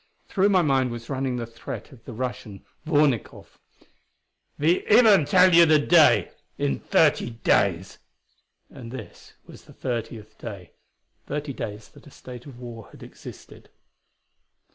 Through my mind was running the threat of the Russian, Vornikoff: "We even tell you the date: in thirty days." And this was the thirtieth day thirty days that a state of war had existed.